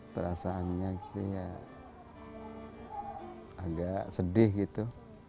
perasaannya agak sedih gitu